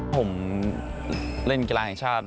ผมเล่นกีฬาแห่งชาติ